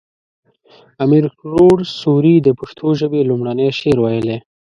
امیر کروړ سوري د پښتو ژبې لومړنی شعر ويلی